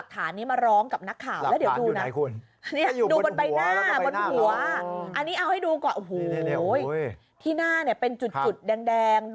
ตอนต่อไป